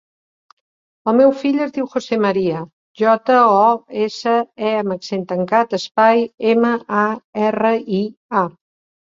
El meu fill es diu José maria: jota, o, essa, e amb accent tancat, espai, ema, a, erra, i, a.